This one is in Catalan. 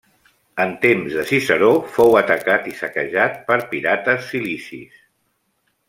En temps de Ciceró fou atacat i saquejat per pirates cilicis.